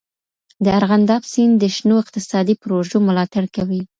د ارغنداب سیند د شنو اقتصادي پروژو ملاتړ کوي.